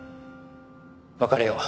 別れよう。